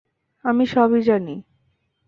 আমি সবই জানি।